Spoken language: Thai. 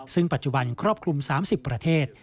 ซึ่งปัจจุบันครอบคลุม๓๐ประเทศ